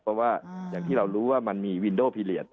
เพราะว่าอย่างที่เรารู้ว่ามันมีวินโดพิเลียส